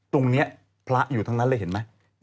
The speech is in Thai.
ตรงนี้พระอยู่ทั้งนั้นเลยเห็นไหม